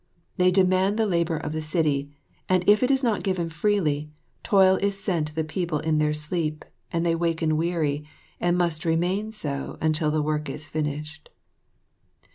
They demand the labour of the city; and if it is not given freely, toil is sent the people in their sleep and they waken weary, and must so remain until the work is finished.